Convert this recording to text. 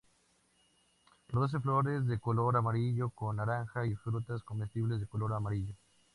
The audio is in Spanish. Produce flores de color amarillo con naranja y frutas comestibles de color amarillo.